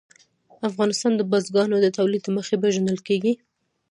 افغانستان د بزګانو د تولید له مخې پېژندل کېږي.